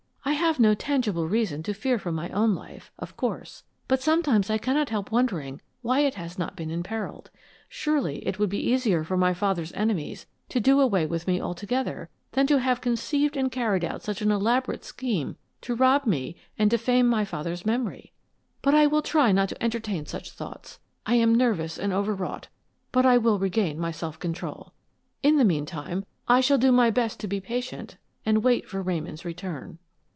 I have no tangible reason to fear for my own life, of course, but sometimes I cannot help wondering why it has not been imperiled. Surely it would be easier for my father's enemies to do away with me altogether than to have conceived and carried out such an elaborate scheme to rob me and defame my father's memory. But I will try not to entertain such thoughts. I am nervous and overwrought, but I will regain my self control. In the meantime, I shall do my best to be patient and wait for Ramon's return."